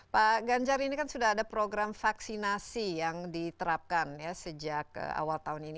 pak ganjar ini kan sudah ada program vaksinasi yang diterapkan ya sejak awal tahun ini